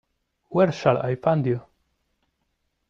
Where shall I find you?